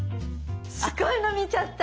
すごいの見ちゃった！